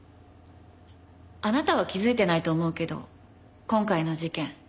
あなたは気づいてないと思うけど今回の事件